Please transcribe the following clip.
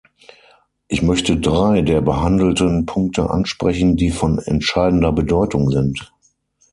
Ich möchte drei der behandelten Punkte ansprechen, die von entscheidender Bedeutung sind.